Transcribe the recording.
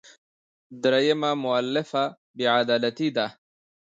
درېیمه مولفه بې عدالتي ده.